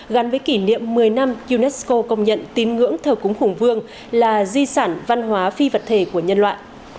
gắn với kỷ niệm một mươi năm unesco công nhận tín ngưỡng thờ cúng hùng vương là di sản văn hóa phi vật thể của nhân loại